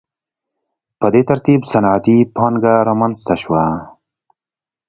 په دې ترتیب صنعتي پانګه رامنځته شوه.